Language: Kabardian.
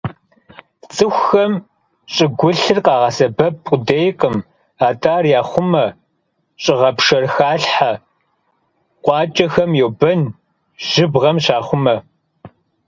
ЦӀыхухэм щӀыгулъыр къагъэсэбэп къудейкъым, атӀэ ар яхъумэ: щӀыгъэпшэр халъхьэ, къуакӀэхэм йобэн, жьыбгъэм щахъумэ.